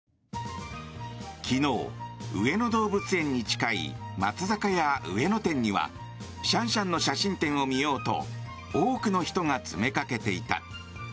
昨日、上野動物園に近い松坂屋上野店にはシャンシャンの写真展を見ようと多くの人が詰めかけていた。